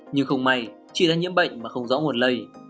nhưng không may chỉ đã nhiễm bệnh mà không rõ nguồn lây